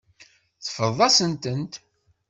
Teffreḍ-asent-tent.